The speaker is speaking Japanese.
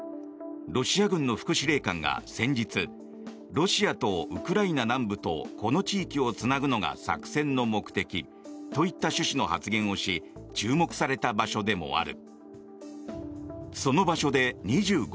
ロシア軍の副司令官が先日ロシアとウクライナ南部とこの地域をつなぐのが作戦の目的といった趣旨の発言をし注目された場所でもある。